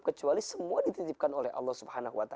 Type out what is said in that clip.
kecuali semua dititipkan oleh allah swt